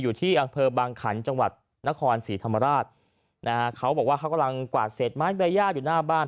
อยู่ที่อำเภอบางขันจังหวัดนครศรีธรรมราชนะฮะเขาบอกว่าเขากำลังกวาดเศษไม้ใบย่าอยู่หน้าบ้าน